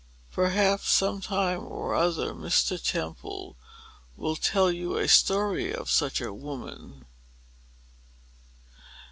Perhaps, some time or other, Mr. Temple will tell you a story of such a woman."